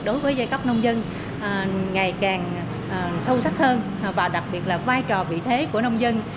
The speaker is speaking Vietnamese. đối với giai cấp nông dân ngày càng sâu sắc hơn và đặc biệt là vai trò vị thế của nông dân